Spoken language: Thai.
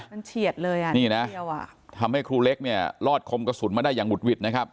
มันเฉียดเลยนิดเดียวทำให้ครูเร็กรอดคมกระสุนมาได้อย่างหุดหวิด